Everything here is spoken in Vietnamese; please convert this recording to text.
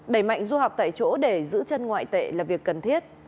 đẩy mạnh du học tại chỗ để giữ chân ngoại tệ là việc cần thiết